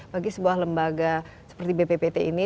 bagi sebuah lembaga seperti bppt ini